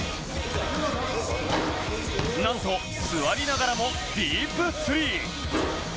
なんと座りながらもディープスリー。